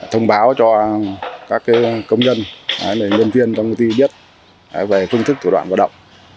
thông báo cho các công nhân nhân viên trong công ty biết về phương thức thủ đoạn hoạt động